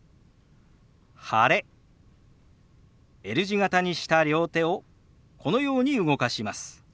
Ｌ字形にした両手をこのように動かします。